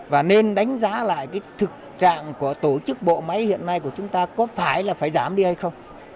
và nên đánh giá lại cái thực trạng của tổ chức bộ máy hiện nay của chúng ta có phải là phải giảm đi hay không